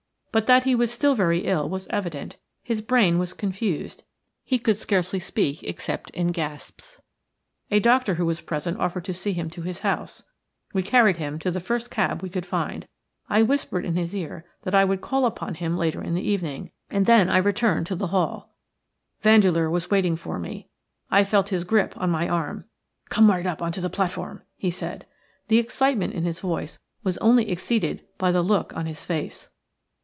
But that he was still very ill was evident; his brain was confused; he could scarcely speak except in gasps. A doctor who was present offered to see him to his house. We carried him to the first cab we could find. I whispered in his ear that I would call upon him later in the evening, and then I returned to the hall. "HE REELED AND MADE A LUNGE FORWARD." Vandeleur was waiting for me. I felt his grip on my arm. "Come right up on to the platform," he said. The excitement in his voice was only exceeded by the look, on his face.